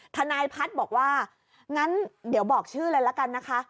ทนายพัฒน์บอกว่างั้นเดี๋ยวบอกชื่อเลยละกันนะคะ